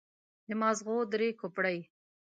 د ماغزو درې کوپړۍ.